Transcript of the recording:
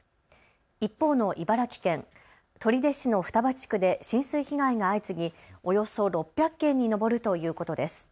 一方の茨城県、取手市の双葉地区で浸水被害が相次ぎおよそ６００件に上るということです。